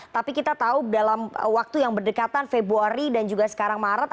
tapi kita tahu dalam waktu yang berdekatan februari dan juga sekarang maret